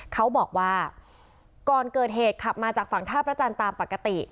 เขาบอกว่าก่อนเกิดเหตุขับมาจากฝั่งท่าพระจันทร์ตามปกติ